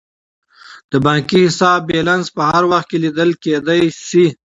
د بانکي حساب بیلانس په هر وخت کې لیدل کیدی شي.